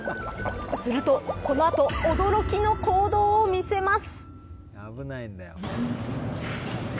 すると、この後驚きの行動を見せます。